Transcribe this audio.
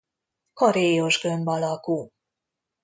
Karéjos gömb alakú.